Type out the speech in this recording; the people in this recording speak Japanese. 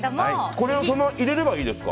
これを入れればいいですか？